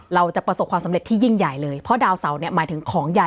เราจะประสบความสำเร็จที่ยิ่งใหญ่เลยเพราะดาวเสาเนี่ยหมายถึงของใหญ่